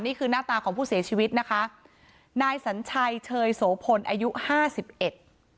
นี่คือหน้าตาของผู้เสียชีวิตนะคะนายสัญชัยเชยโสพลอายุห้าสิบเอ็ด